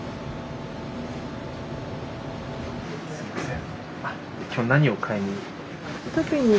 すみません。